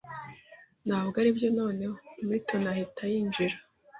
ntabwo aribyo, noneho Milton ahita yinjira